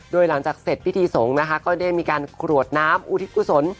โดยหลังจากเสร็จพิธีสงฆ์นะคะก็ได้มีการกรวดน้ำอุทิศกุศล